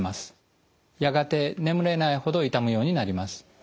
やがて眠れないほど痛むようになります。